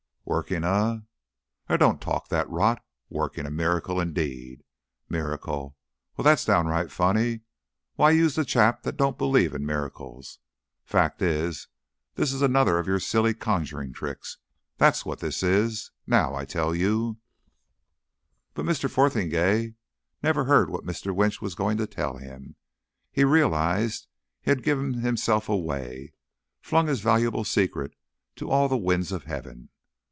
"Working a ! 'Ere, don't you talk rot. Working a miracle, indeed! Miracle! Well, that's downright funny! Why, you's the chap that don't believe in miracles.... Fact is, this is another of your silly conjuring tricks that's what this is. Now, I tell you " But Mr. Fotheringay never heard what Mr. Winch was going to tell him. He realised he had given himself away, flung his valuable secret to all the winds of heaven.